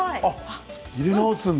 入れ直すんだ。